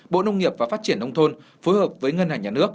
bộ nông nghiệp và phát triển nông thôn phối hợp với ngân hàng nhà nước